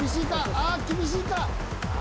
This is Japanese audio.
ああ厳しいか？